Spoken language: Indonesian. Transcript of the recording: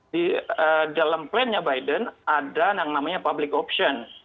di dalam plannya biden ada yang namanya public option